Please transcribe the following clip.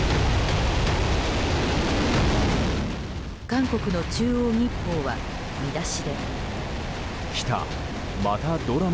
韓国の中央日報は見出しで。